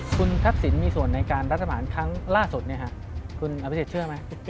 คุณทักษิณมีส่วนในการรัฐบาลครั้งล่าสุดคุณอภิษฎเชื่อไหม